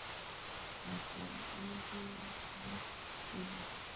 Hata hivyo kuua simba mmoja kuna thamani na heshima kubwa katika jamii